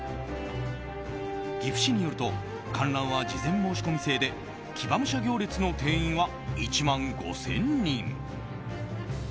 岐阜市によると観覧は事前申込制で騎馬武者行列の定員は１万５０００人。